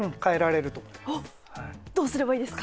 おっどうすればいいですか？